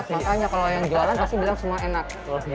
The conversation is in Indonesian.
makanya kalau yang jualan pasti bilang semua enak